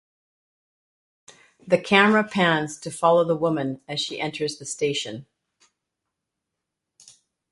The camera pans to follow the woman as she enters the station.